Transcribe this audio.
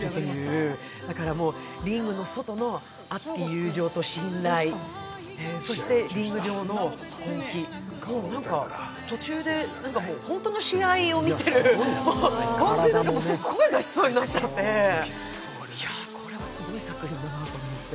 だからもう、リングの外の熱き友情と信頼、そしてリング上の本気、途中で本当の試合を見てるような、本当に声出しそうになっちゃって、いやこれすごい作品だなと思って。